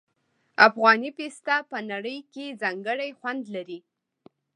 افغاني پسته په نړۍ کې ځانګړی خوند لري.